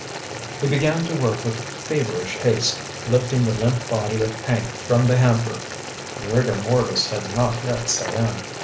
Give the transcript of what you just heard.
He began to work with feverish haste, lifting the limp body of Hank from the hamper—rigor mortis had not yet set in.